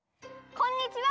こんにちは！